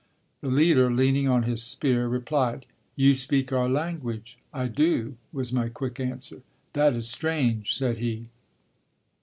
The leader, leaning on his spear, replied, "You speak our language?" "I do," was my quick answer. "That is strange," said he.